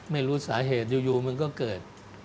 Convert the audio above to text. ไม่รู้สาเหตุอยู่มันก็เกิด